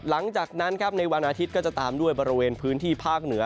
หลังจากนั้นครับในวันอาทิตย์ก็จะตามด้วยบริเวณพื้นที่ภาคเหนือ